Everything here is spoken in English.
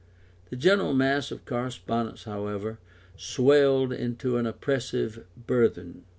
The general mass of correspondence, however, swelled into an oppressive burthen.